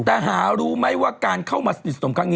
แต่หารู้ไหมว่าการเข้ามาสนิทสนมครั้งนี้